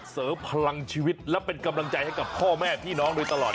เสริมพลังชีวิตและเป็นกำลังใจให้กับพ่อแม่พี่น้องโดยตลอด